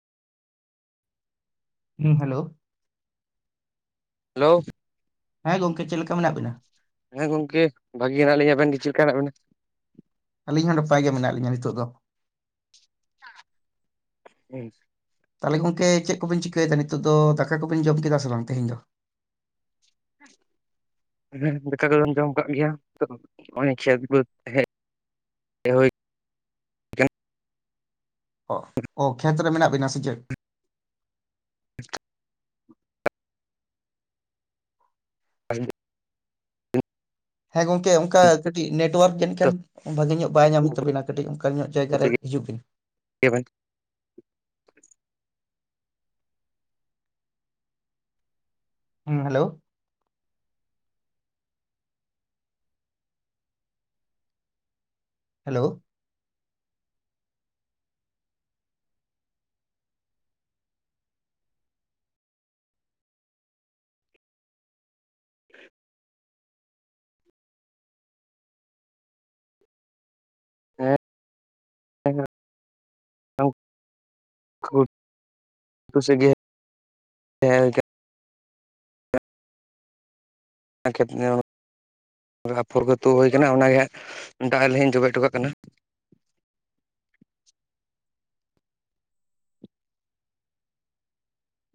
ᱦᱮᱸ hello. Hello. ᱦᱮᱸ ᱜᱚᱝᱠᱮ ᱪᱮᱫ ᱞᱮᱠᱟ ᱢᱮᱱᱟᱜ ᱵᱤᱱᱟ? ᱦᱮᱸ ᱜᱚᱝᱠᱮ ᱵᱷᱟᱜᱮ ᱜᱮ ᱦᱮᱱᱟᱜ ᱞᱤᱧᱟ᱾ ᱟᱵᱮᱱ ᱜᱮ ᱪᱮᱫ ᱞᱮᱠᱟ ᱦᱮᱱᱟᱜ ᱵᱮᱱᱟ? ᱟᱹᱞᱤᱧ ᱦᱚᱸ ᱱᱟᱯᱟᱭ ᱜᱮ ᱢᱮᱱᱟᱜ ᱞᱤᱧᱟᱹ ᱱᱤᱛᱚᱜ ᱫᱚ᱾ ᱦᱩᱸ ᱥᱮ᱾ ᱛᱟᱞᱦᱮ ᱜᱚᱝᱠᱮ ᱪᱮᱫ ᱠᱚᱵᱤᱱ ᱪᱤᱠᱟᱹᱭᱮᱫᱟ ᱱᱤᱛᱚᱜ ᱫᱚ, ᱫᱟᱠᱟ ᱠᱚᱵᱤᱱ ᱡᱚᱢ ᱠᱮᱫᱟ ᱥᱮ ᱵᱟᱝ ᱛᱮᱦᱤᱧ ᱫᱚ? ᱦᱮᱸ ᱫᱟᱠᱟ ᱫᱚᱵᱮᱱ ᱡᱚᱢ ᱠᱟᱜ ᱜᱮᱭᱟ ᱛᱚ ᱦᱚᱸᱜᱼᱚᱭ ᱠᱷᱮᱛ ᱵᱟᱹᱫᱽ ᱦᱮᱡ [inaudible] ᱦᱩᱭ ᱚ ᱚ ᱠᱷᱮᱛ ᱨᱮ ᱢᱮᱱᱟᱜ ᱵᱤᱱᱟ ᱥᱮ ᱪᱮᱫ? [inaudible] ᱦᱮᱸ ᱜᱚᱝᱠᱮ ᱚᱱᱠᱟ ᱠᱟᱹᱴᱤᱡ ᱱᱮᱴᱚᱣᱟᱨᱠ ᱡᱟᱱᱤᱡ ᱠᱷᱟᱱ ᱵᱷᱟᱜᱮ ᱧᱚᱜ ᱵᱟᱭ ᱧᱟᱢᱮᱫ ᱛᱟᱹᱵᱤᱱᱟ ᱠᱟᱹᱴᱤᱡ ᱚᱱᱠᱟᱱ ᱧᱚᱜ ᱡᱟᱭᱜᱟ ᱨᱮ ᱦᱤᱡᱩᱜ ᱵᱤᱱ᱾ ᱪᱮᱫ ᱵᱮᱱ ᱦᱩᱸ ᱦᱮᱞᱳ᱾ ᱦᱮᱞᱳ᱾ [inaudible] [inaudible] [inaudible] [inaudible] ᱟᱫᱚ ᱟᱯᱷᱚᱨ ᱜᱮᱛᱚ ᱦᱩᱭ ᱠᱟᱱᱟ ᱚᱱᱟᱜᱮ ᱫᱟᱜ ᱨᱮ ᱞᱤᱞ ᱡᱚᱵᱮ ᱦᱚᱴᱚ ᱠᱟᱜ ᱠᱟᱱᱟ᱾